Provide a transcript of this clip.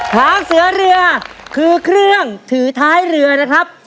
ทางเสือเรือคือเครื่องถือท้ายเรือนะครับ